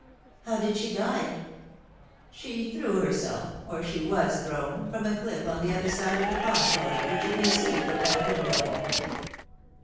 " How did she die ?"" She threw herself or she was thrown from a cliff on the other side of the promontory which you may see from that window."